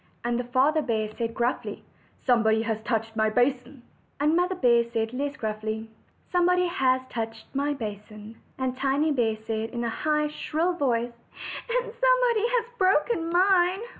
And the Father bear said gruffly: "Somebody has touched my basin." And the Mother bear said less gruffly: "Somebody has touched my basin." And Tiny bear said in a high, shrill voice: "And somebody has broken mine."